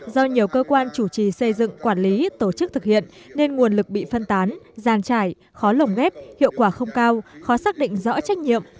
do nhiều cơ quan chủ trì xây dựng quản lý tổ chức thực hiện nên nguồn lực bị phân tán gian trải khó lồng ghép hiệu quả không cao khó xác định rõ trách nhiệm